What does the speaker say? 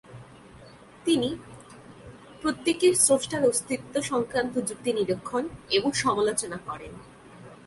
তিনি তিনি প্রত্যেকের স্রষ্ট্রার অস্তিত্ব সংক্রান্ত যুক্তি নিরীক্ষণ এবং সমালোচনা করেন।